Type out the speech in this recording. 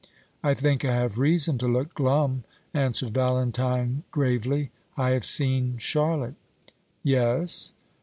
"I think I have reason to look glum," answered Valentine, gravely; "I have seen Charlotte." "Yes?